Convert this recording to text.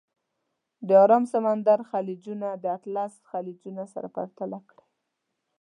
د ارام سمندر خلیجونه د اطلس خلیجونه سره پرتله کړئ.